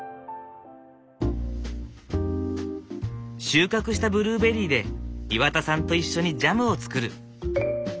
収穫したブルーベリーで岩田さんと一緒にジャムを作る。